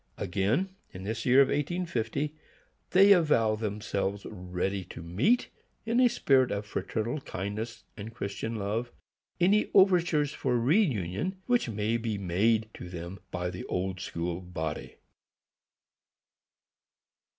Again, in this year of 1850, they avow themselves ready to meet, in a spirit of fraternal kindness and Christian love, any overtures for reünion which may be made to them by the Old School body.